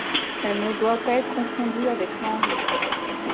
Elle ne doit pas être confondue avec l'envie.